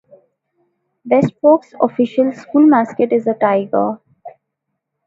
West Fork's official school mascot is a tiger.